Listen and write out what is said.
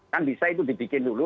kan bisa itu dibikin dulu